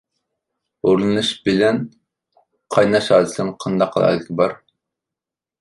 ھورلىنىش بىلىن قايناش ھادىسىلىرىنىڭ قانداق ئالاھىدىلىكى بار؟